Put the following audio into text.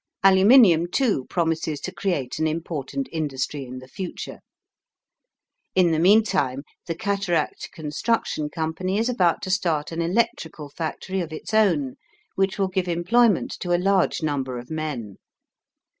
Aluminum, too, promises to create an important industry in the future. In the meantime, the Cataract Construction Company is about to start an electrical factory of its own, which will give employment to a large number of men.